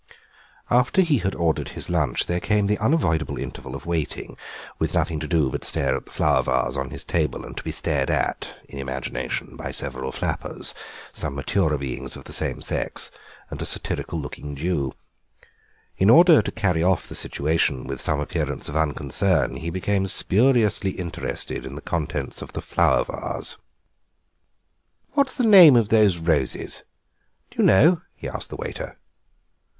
After he had ordered his lunch there came the unavoidable interval of waiting, with nothing to do but to stare at the flower vase on his table and to be stared at (in imagination) by several flappers, some maturer beings of the same sex, and a satirical looking Jew. In order to carry off the situation with some appearance of unconcern he became spuriously interested in the contents of the flower vase. "What is the name of these roses, d'you know?" he asked the waiter.